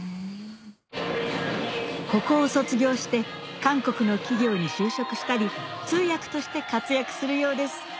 ここを卒業して韓国の企業に就職したり通訳として活躍するようです